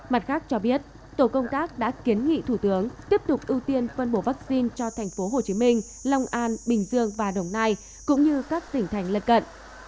mặt khác cho biết tổ công tác đã kiến nghị thủ tướng tiếp tục ưu tiên phân bổ vaccine cho thành phố hồ chí minh long an bình dương và đồng nai cũng như các tỉnh thành lân cận